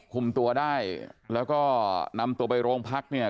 คุมตัวได้แล้วก็นำตัวไปโรงพักเนี่ย